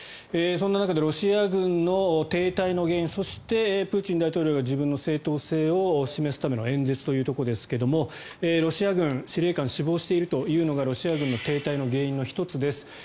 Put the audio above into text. そんな中でロシア軍の停滞の原因そしてプーチン大統領が自分の正当性を示すための演説というところですがロシア軍の司令官が死亡しているというのがロシア軍の停滞の原因の１つです。